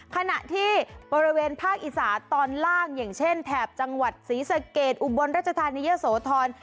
ขณะที่บริเวณภาคอีสานตอนล่างอย่างเช่นแถบจังหวัดศรีสะเกดอุบลรัชธานีเยอะโสธร